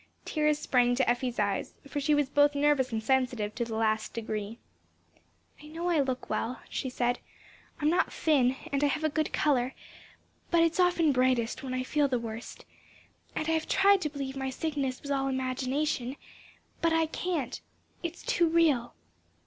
Tears sprang to Effie's eyes, for she was both nervous and sensitive to the last degree. "I know I look well," she said. "I'm not thin, and I have a good color; but it's often brightest when I feel the worst. And I've tried to believe my sickness was all imagination, but I can't; it's too real."